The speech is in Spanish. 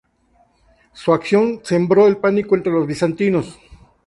Su acción sembró el pánico entre los bizantinos.